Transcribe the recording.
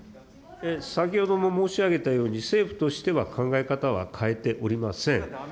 先ほども申し上げたように、政府としては考え方は変えておりません。